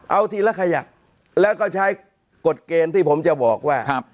เอาทีละขยักแล้วก็ใช้กฎเกณฑ์ที่ผมจะบอกว่า